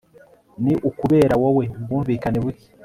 Ni ukubera wowe ubwumvikane buke